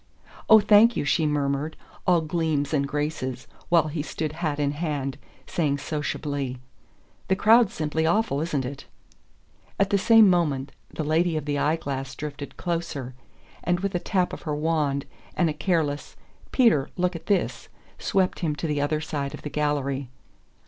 "Oh, thank you," she murmured, all gleams and graces, while he stood hat in hand, saying sociably: "The crowd's simply awful, isn't it?" At the same moment the lady of the eye glass drifted closer, and with a tap of her wand, and a careless "Peter, look at this," swept him to the other side of the gallery.